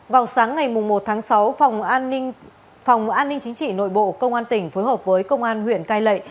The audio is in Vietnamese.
vào sáng ngày một tháng sáu phòng an ninh chính trị nội bộ công an tỉnh phối hợp với công an huyện cai lệ